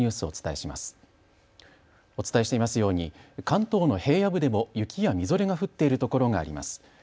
お伝えしていますように関東の平野部でも雪やみぞれが降っている所があります。